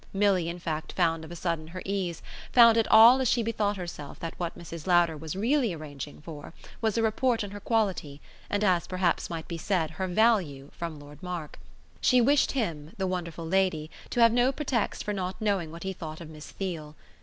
Milly in fact found of a sudden her ease found it all as she bethought herself that what Mrs. Lowder was really arranging for was a report on her quality and, as perhaps might be said her value, from Lord Mark. She wished him, the wonderful lady, to have no pretext for not knowing what he thought of Miss Theale.